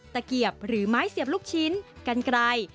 เกียบหรือไม้เสียบลูกชิ้นกันไกล